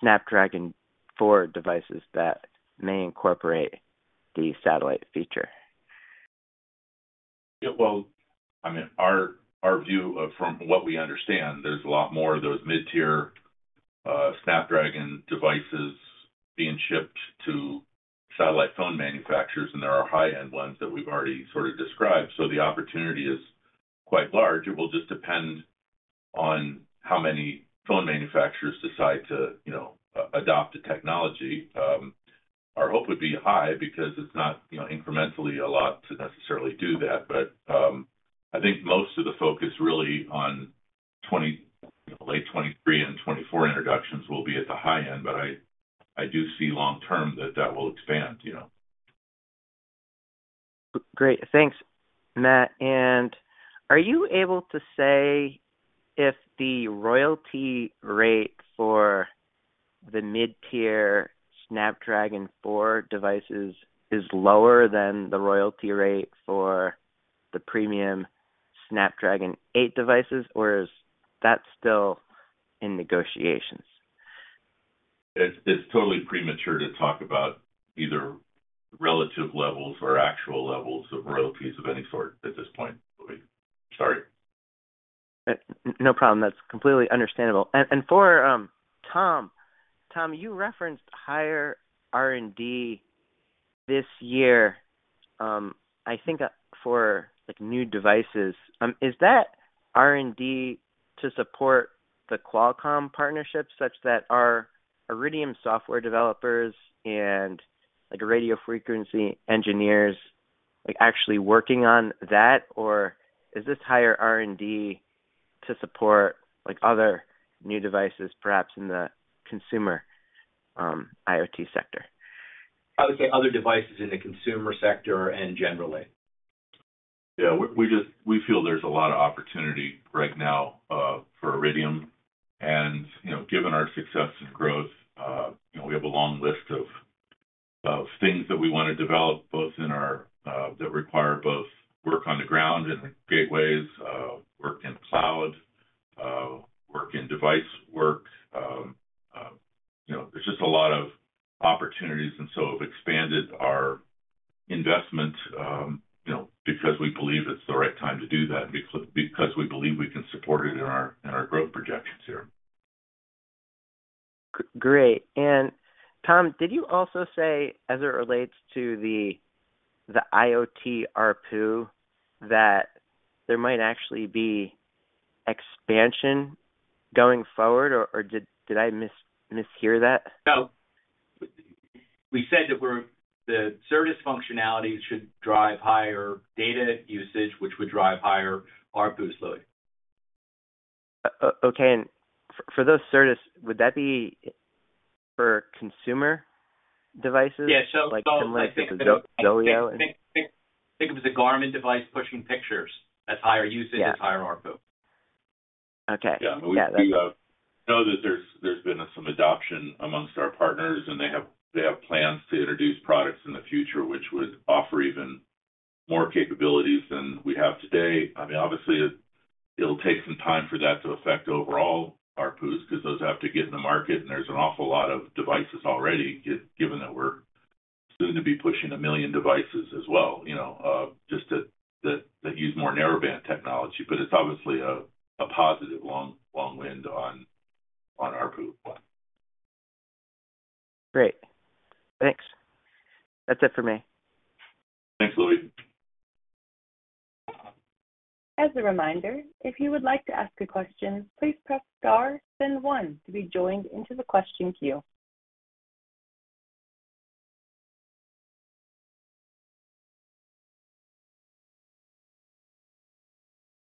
Snapdragon 4 devices that may incorporate the satellite feature? Well, I mean, From what we understand, there's a lot more of those mid-tier Snapdragon devices being shipped to satellite phone manufacturers than there are high-end ones that we've already sort of described. The opportunity is quite large. It will just depend on how many phone manufacturers decide to, you know, adopt the technology. Our hope would be high because it's not, you know, incrementally a lot to necessarily do that. I think most of the focus really on late 2023 and 2024 introductions will be at the high end, but I do see long term that that will expand, you know. Great. Thanks, Matt. Are you able to say if the royalty rate for the mid-tier Snapdragon 4 devices is lower than the royalty rate for the premium Snapdragon 8 devices, or is that still in negotiations? It's totally premature to talk about either relative levels or actual levels of royalties of any sort at this point, Louie. Sorry. No problem. That's completely understandable. For Tom. Tom, you referenced higher R&D this year, I think for, like, new devices. Is that R&D to support the Qualcomm partnership, such that our Iridium software developers and, like, radio frequency engineers, like, actually working on that, or is this higher R&D to support, like, other new devices, perhaps in the consumer, IoT sector? I would say other devices in the consumer sector and generally. Yeah. We feel there's a lot of opportunity right now for Iridium. You know, given our success and growth, you know, we have a long list of things that we wanna develop both in our, that require both work on the ground and the gateways, work in cloud, work in device work. You know, there's just a lot of opportunities. We've expanded our investment, you know, because we believe it's the right time to do that because we believe we can support it in our, in our growth projections here. Great. And Tom, did you also say, as it relates to the IoT ARPU, that there might actually be expansion going forward, or did I mishear that? No. We said that the service functionality should drive higher data usage, which would drive higher ARPUs, Louie. Okay. For those services, would that be for consumer devices- Yeah. Like, similar to the ZOLEO and-. Think of the Garmin device pushing pictures. That's higher usage. Yeah. That's higher ARPU. Okay. Yeah. Yeah. We know that there's been some adoption amongst our partners, and they have plans to introduce products in the future which would offer even more capabilities than we have today. I mean, obviously it'll take some time for that to affect overall ARPUs because those have to get in the market, and there's an awful lot of devices already given that we're soon to be pushing 1 million devices as well, you know, just that use more narrowband technology. But it's obviously a positive long wind on ARPU. But... Great. Thanks. That's it for me. Thanks, Louie. As a reminder, if you would like to ask a question, please press star then one to be joined into the question queue.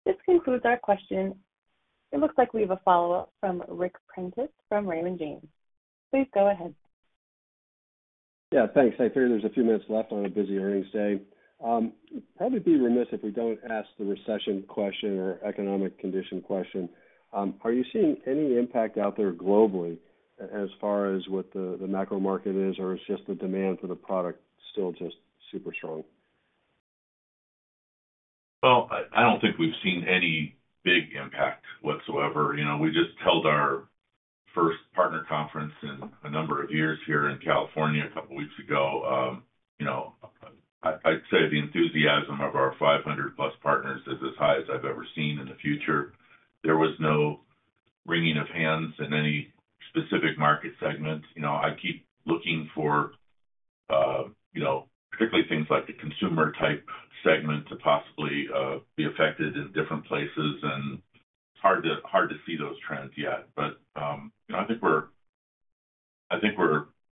This concludes our questions. It looks like we have a follow-up from Ric Prentiss from Raymond James. Please go ahead. Yeah. Thanks. I figure there's a few minutes left on a busy earnings day. Probably be remiss if we don't ask the recession question or economic condition question. Are you seeing any impact out there globally as far as what the macro market is, or it's just the demand for the product still just super strong? Well, I don't think we've seen any big impact whatsoever. You know, we just held our first partner conference in a number of years here in California a couple weeks ago. you know, I'd say the enthusiasm of our 500+ partners is as high as I've ever seen in the future. There was no wringing of hands in any specific market segment. You know, I keep looking for, you know, particularly things like the consumer-type segment to possibly, be affected in different places, and hard to see those trends yet. you know, I think we're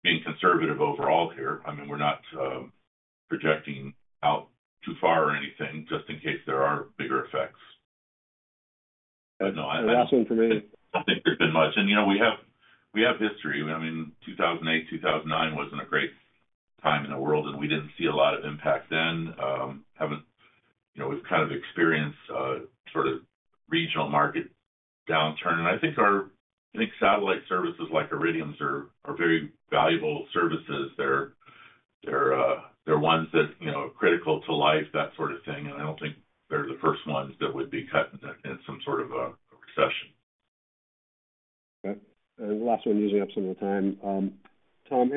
being conservative overall here. I mean, we're not projecting out too far or anything just in case there are bigger effects. no, I- That's all for me. I don't think there's been much. you know, we have, we have history. I mean, 2008, 2009 wasn't a great time in the world, and we didn't see a lot of impact then. haven't, you know, we've kind of experienced, sort of regional market downturn. I think satellite services like Iridium's are very valuable services. They're ones that, you know, are critical to life, that sort of thing, and I don't think they're the first ones that would be cut in some sort of a recession. Okay. And last one, using up some more time. Tom,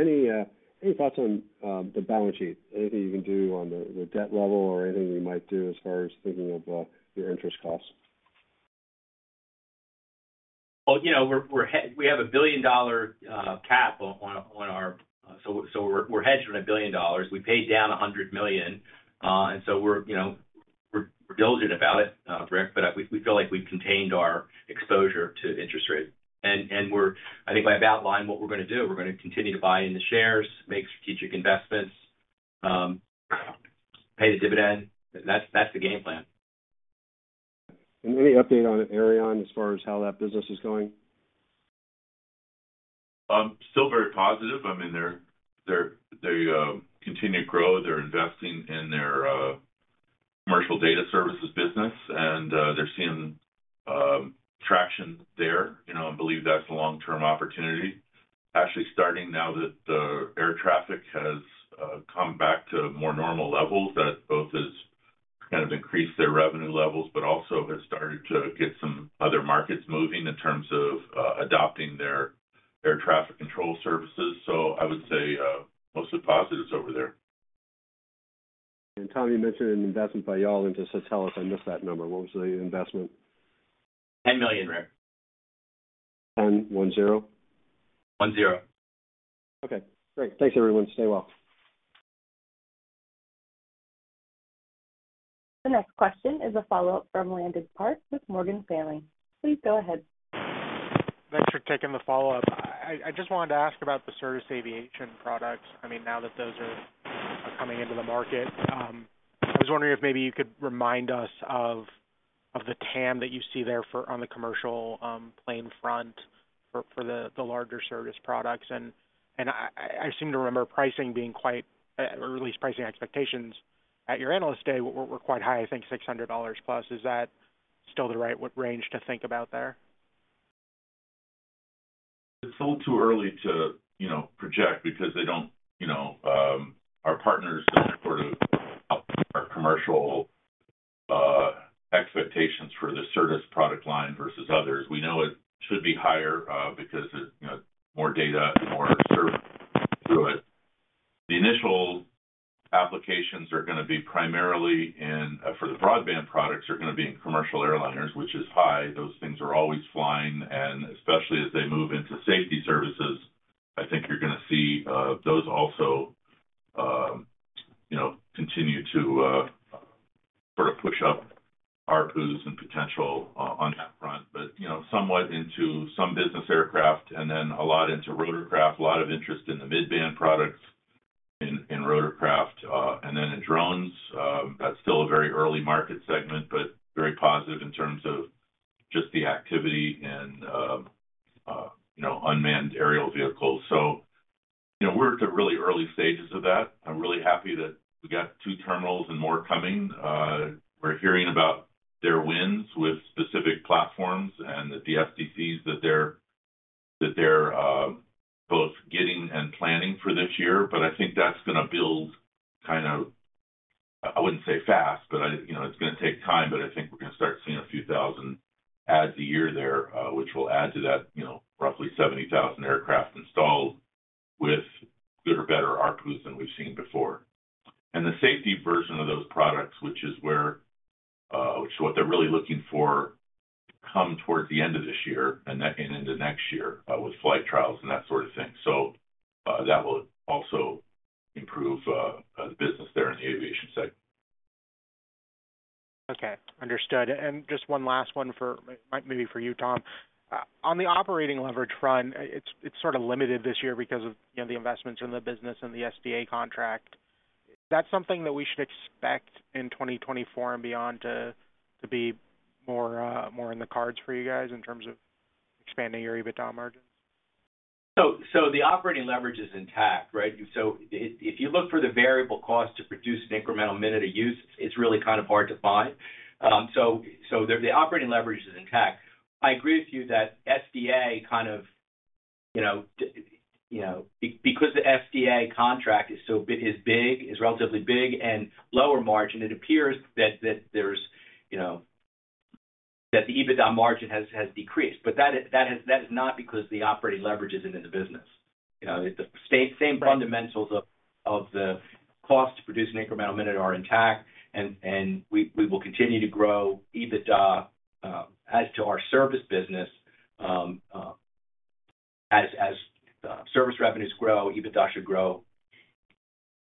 any thoughts on the balance sheet? Anything you can do on the debt level or anything you might do as far as thinking of your interest costs? Well, you know, we're, we have a billion-dollar cap on our, we're hedged with $1 billion. We paid down $100 million, we're, you know, we're diligent about it, Ric, we feel like we've contained our exposure to interest rates. I think by aboutline what we're gonna do, we're gonna continue to buy into shares, make strategic investments, pay the dividend. That's the game plan. Any update on Aireon as far as how that business is going? Still very positive. I mean, they're, they continue to grow. They're investing in their commercial data services business, and they're seeing traction there. You know, I believe that's a long-term opportunity. Actually, starting now that the air traffic has come back to more normal levels, that both is kind of increase their revenue levels, but also has started to get some other markets moving in terms of adopting their traffic control services. I would say mostly positives over there. Tom, you mentioned an investment by y'all into Satelles. I missed that number. What was the investment? $10 million, there. 1-0? 1-0. Okay, great. Thanks everyone. Stay well. The next question is a follow-up from Landon Park with Morgan Stanley. Please go ahead. Thanks for taking the follow-up. I just wanted to ask about the service aviation products. I mean, now that those are coming into the market, I was wondering if maybe you could remind us of the TAM that you see there on the commercial plane front for the larger service products. I seem to remember pricing being quite, or at least pricing expectations at your Analyst Day were quite high, I think $600 plus. Is that still the right range to think about there? It's a little too early to, you know, project because they don't, you know, our partners sort of our commercial expectations for the service product line versus others. We know it should be higher, because it, you know, more data and more service through it. The initial applications are gonna be primarily in, for the broadband products, are gonna be in commercial airliners, which is high. Those things are always flying and especially as they move into safety services, I think you're gonna see those also, you know, continue to sort of push up ARPUs and potential on that front. You know, somewhat into some business aircraft and then a lot into rotorcraft. A lot of interest in the mid-band products in rotorcraft. Then in drones, that's still a very early market segment, but very positive in terms of just the activity and, you know, unmanned aerial vehicles. You know, we're at the really early stages of that. I'm really happy that we got 2 terminals and more coming. We're hearing about their wins with specific platforms and the STC that they're both getting and planning for this year. I think that's gonna build kind of, I wouldn't say fast, but I, you know, it's gonna take time, but I think we're gonna start seeing a few thousand adds a year there, which will add to that, you know, roughly 70,000 aircraft installed with good or better ARPUs than we've seen before. The safety version of those products, which is where, which is what they're really looking for, come towards the end of this year and into next year, with flight trials and that sort of thing. That will also improve the business there in the aviation segment. Okay. Understood. Just one last one for maybe for you, Tom. On the operating leverage front, it's sort of limited this year because of, you know, the investments in the business and the SDA contract. Is that something that we should expect in 2024 and beyond to be more more in the cards for you guys in terms of expanding your EBITDA margins? The operating leverage is intact, right? If you look for the variable cost to produce an incremental minute of use, it's really kind of hard to find. The operating leverage is intact. I agree with you that SDA kind of, you know, because the SDA contract is so big, is relatively big and lower margin, it appears that there's, you know, that the EBITDA margin has decreased. That is not because the operating leverage isn't in the business. You know, it's the same fundamentals of the cost to produce an incremental minute are intact and we will continue to grow EBITDA as to our service business. As service revenues grow, EBITDA should grow.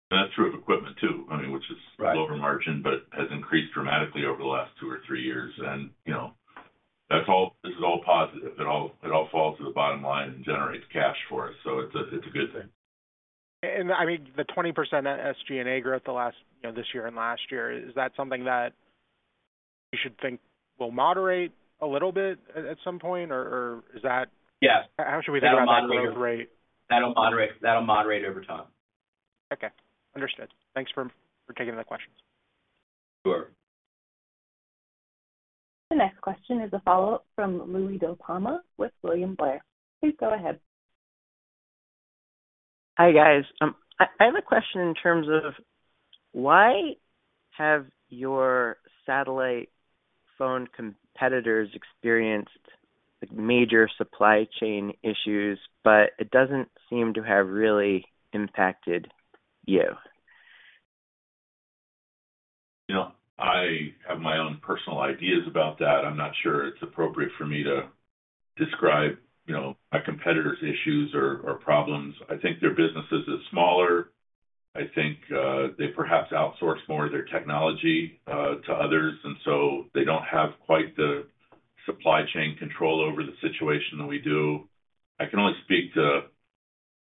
That's true of equipment too, I mean. Right. Lower margin, but has increased dramatically over the last two or three years. You know, this is all positive. It all falls to the bottom line and generates cash for us. It's a good thing. I mean, the 20% SG&A growth the last, you know, this year and last year, is that something that we should think will moderate a little bit at some point? Yeah. How should we think about the growth rate? That'll moderate over time. Okay. Understood. Thanks for taking the questions. Sure. The next question is a follow-up from Louie DiPalma with William Blair. Please go ahead. Hi, guys. I have a question in terms of why have your satellite phone competitors experienced major supply chain issues, but it doesn't seem to have really impacted you? You know, I have my own personal ideas about that. I'm not sure it's appropriate for me to describe, you know, a competitor's issues or problems. I think their businesses is smaller. I think they perhaps outsource more of their technology to others, and so they don't have quite the supply chain control over the situation that we do. I can only speak to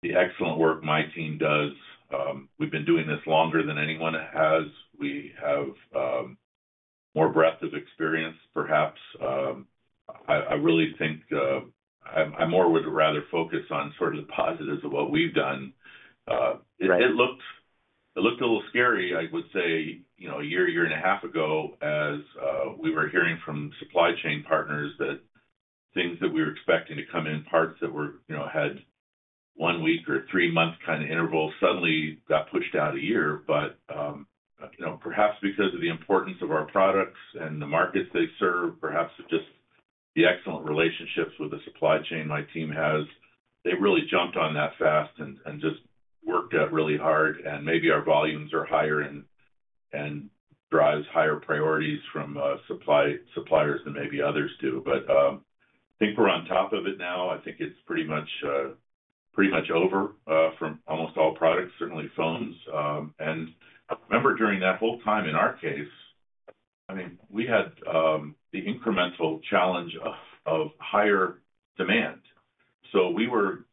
the excellent work my team does. We've been doing this longer than anyone has. We have more breadth of experience, perhaps. I really think I more would rather focus on sort of the positives of what we've done. Right. It looked a little scary, I would say, you know, a year, a year and a half ago as we were hearing from supply chain partners that things that we were expecting to come in, parts that were, you know, had one week or three-month kind of interval suddenly got pushed out a year. You know, perhaps because of the importance of our products and the markets they serve, perhaps just the excellent relationships with the supply chain my team has, they really jumped on that fast and just worked at really hard. Maybe our volumes are higher and drives higher priorities from supply-suppliers than maybe others do. I think we're on top of it now. I think it's pretty much pretty much over from almost all products, certainly phones. Remember, during that whole time, in our case, I mean, we had the incremental challenge of higher demand. We were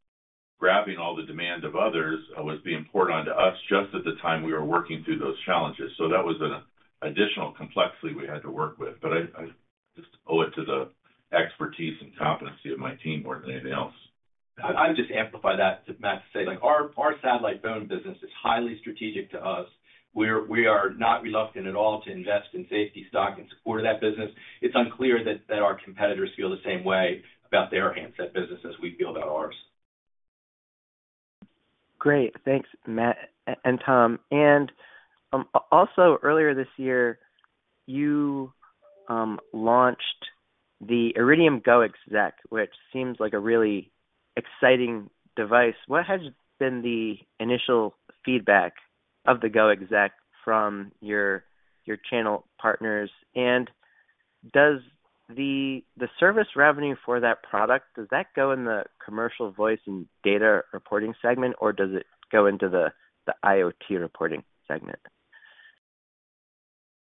grabbing all the demand of others, was being poured onto us just at the time we were working through those challenges. That was an additional complexity we had to work with. I just owe it to the expertise and competency of my team more than anything else. I would just amplify that to Matt to say, like, our satellite phone business is highly strategic to us. We are not reluctant at all to invest in safety stock and support that business. It's unclear that our competitors feel the same way about their handset business as we feel about ours. Great. Thanks, Matt and Tom. Also earlier this year, you launched the Iridium GO! exec, which seems like a really exciting device. What has been the initial feedback of the GO! exec from your channel partners? Does the service revenue for that product, does that go in the commercial voice and data reporting segment, or does it go into the IoT reporting segment?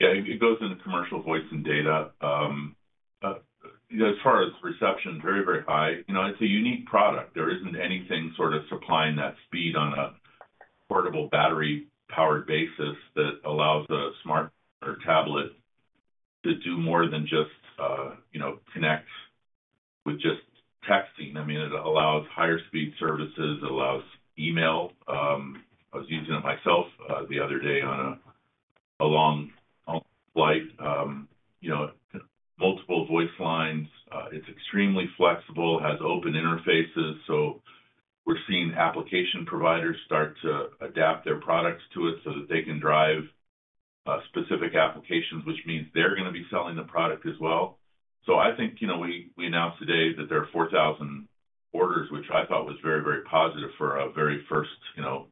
Yeah, it goes into commercial voice and data. As far as reception, very high. You know, it's a unique product. There isn't anything sort of supplying that speed on a portable battery-powered basis that allows a smartphone or tablet to do more than just, you know, connect with just texting. I mean, it allows higher speed services. It allows email. I was using it myself, the other day on a long flight. You know, multiple voice lines. It's extremely flexible, has open interfaces, so we're seeing application providers start to adapt their products to it so that they can drive specific applications, which means they're gonna be selling the product as well. I think, you know, we announced today that there are 4,000 orders, which I thought was very, very positive for a very first, you know,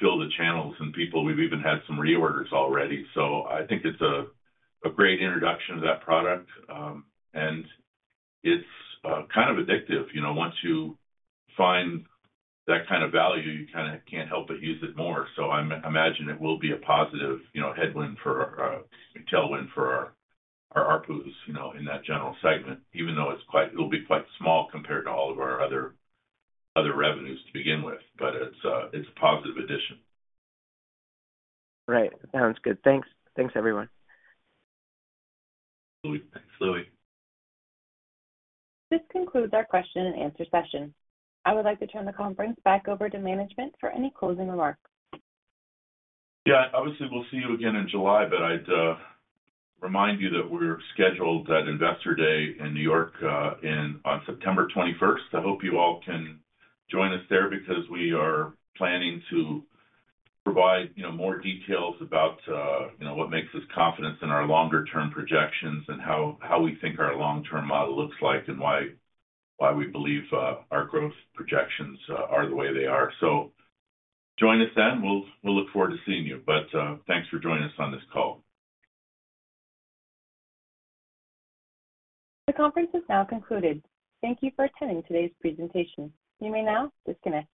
fill the channels and people. We've even had some reorders already. I think it's a great introduction to that product. And it's kind of addictive. You know, once you find that kind of value, you kinda can't help but use it more. I'm imagine it will be a positive, you know, headwind for tailwind for our ARPUs, you know, in that general segment, even though it'll be quite small compared to all of our other revenues to begin with. It's a positive addition. Right. Sounds good. Thanks. Thanks, everyone. Thanks, Louie. This concludes our Q&A session. I would like to turn the Conference back over to management for any closing remarks. Yeah. Obviously, we'll see you again in July, but I'd remind you that we're scheduled at Investor Day in New York on September 21st. I hope you all can join us there because we are planning to provide, you know, more details about, you know, what makes us confident in our longer term projections and how we think our long-term model looks like and why we believe our growth projections are the way they are. Join us then. We'll look forward to seeing you. Thanks for joining us on this call. The Conference has now concluded. Thank you for attending today's presentation. You may now disconnect.